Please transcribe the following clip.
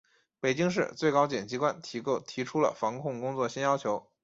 北京市、最高检机关提出了防控工作新要求